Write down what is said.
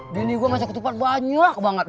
bini gua masih ketupat banyak banget